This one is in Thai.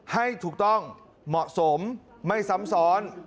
ให้ถูกต้องเหมาะสมไม่ซ้ำซ้อน